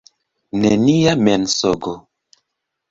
Nenia mensogo.